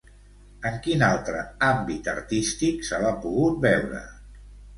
En quin altre àmbit artístic se l'ha pogut veure?